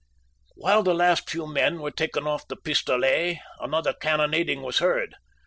"While the last few men were taken off the Pistolet, another cannonading was heard.